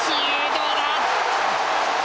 どうだ？